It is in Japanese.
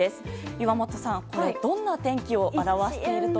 岩本さん、これどんな天気を表していると思いますか？